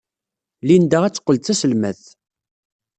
Linda ad teqqel d taselmadt.